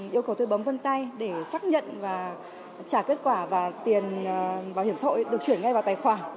yêu cầu thuê bấm vân tay để xác nhận và trả kết quả và tiền bảo hiểm xã hội được chuyển ngay vào tài khoản